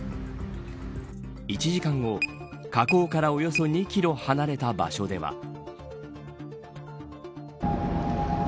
１時間後、河口からおよそ２キロ離れた場所では。